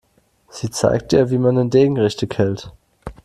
Sie zeigt ihr, wie man den Degen richtig hält.